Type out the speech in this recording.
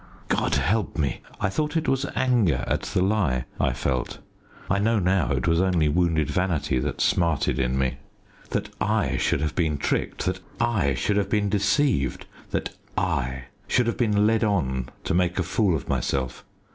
God help me! I thought it was anger at the lie I felt. I know now it was only wounded vanity that smarted in me. That I should have been tricked, that I should have been deceived, that I should have been led on to make a fool of myself!